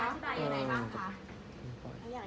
อยากจะบอกอะไรเขาไม่พา